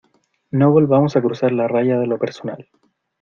no volvamos a cruzar la raya de lo personal.